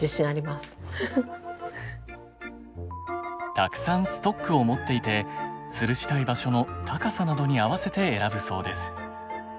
たくさんストックを持っていてつるしたい場所の高さなどに合わせて選ぶそうです。